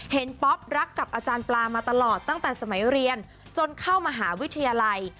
ป๊อปรักกับอาจารย์ปลามาตลอดตั้งแต่สมัยเรียนจนเข้ามหาวิทยาลัย